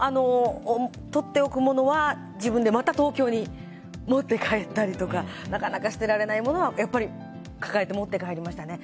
取っておくものは自分でまた東京に持って帰ったりとかなかなか捨てられない物はやっぱり抱えて持って帰りましたね。